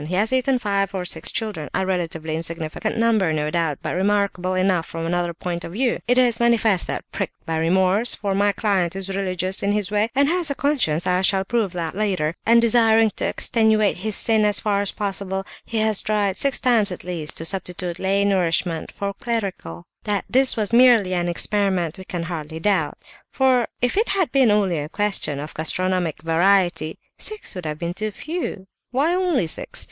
He has eaten five or six children, a relatively insignificant number, no doubt, but remarkable enough from another point of view. It is manifest that, pricked by remorse—for my client is religious, in his way, and has a conscience, as I shall prove later—and desiring to extenuate his sin as far as possible, he has tried six times at least to substitute lay nourishment for clerical. That this was merely an experiment we can hardly doubt: for if it had been only a question of gastronomic variety, six would have been too few; why only six?